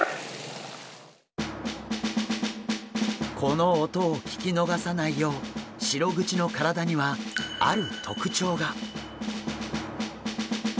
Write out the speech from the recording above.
この音を聞き逃さないようシログチの体にはある特徴が。